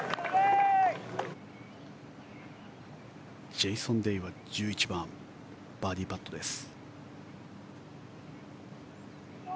ジェイソン・デイは１１番バーディーパットです。